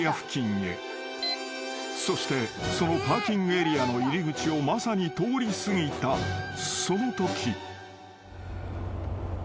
［そしてそのパーキングエリアの入り口をまさに通り過ぎたそのとき］